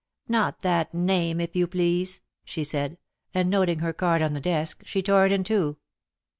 "Not that name, if you please," she said, and noting her card on the desk she tore it in two.